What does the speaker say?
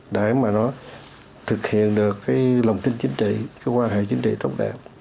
để mà nó thực hiện được cái lòng tin chính trị cái quan hệ chính trị tốt đẹp